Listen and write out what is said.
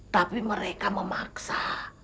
tapi mereka memaksa